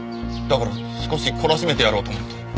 だから少し懲らしめてやろうと思って。